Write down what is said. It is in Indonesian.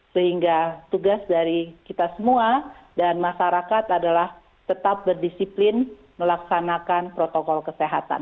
sehingga tugas dari kita semua dan masyarakat adalah tetap berdisiplin melaksanakan protokol kesehatan